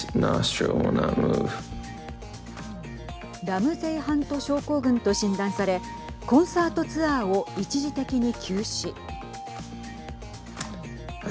ラムゼイ・ハント症候群と診断されコンサートツアーを一時的に休止。